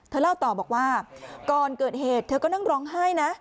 เล่าต่อบอกว่าก่อนเกิดเหตุเธอก็นั่งร้องไห้นะ